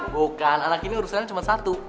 bukan anak ini urusannya cuma satu